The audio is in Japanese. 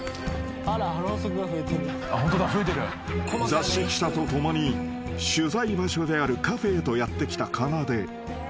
［雑誌記者と共に取材場所であるカフェへとやって来たかなで］